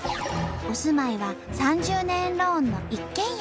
お住まいは３０年ローンの一軒家。